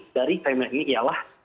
dari statement ini ialah